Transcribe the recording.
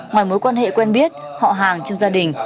ngoài mối quan hệ quen biết họ hàng trong gia đình